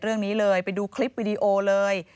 ตอนนั้นไฟมันจะไหม้แล้ว